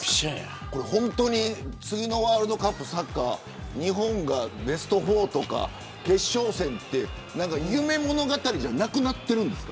次のワールドカップ、サッカー日本がベスト４とか決勝って夢物語じゃなくなってるんですか。